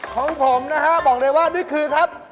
ของผมนะฮะบอกเลยว่านี่คือครับ